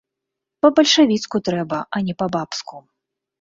Па-бальшавіцку трэба, а не па-бабску.